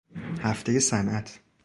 هفته صنعت